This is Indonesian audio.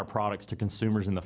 untuk membantu menolongnya